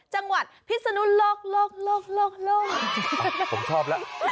จังหวัดพี่สนุลหลอก